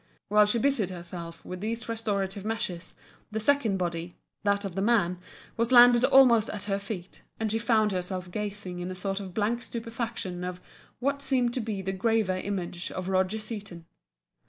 While she busied herself with these restorative measures, the second body, that of the man, was landed almost at her feet and she found herself gazing in a sort of blank stupefaction at what seemed to be the graven image of Roger Seaton.